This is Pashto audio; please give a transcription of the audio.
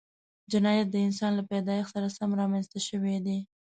جنایت د انسان له پیدایښت سره سم رامنځته شوی دی